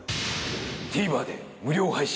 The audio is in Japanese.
ＴＶｅｒで無料配信。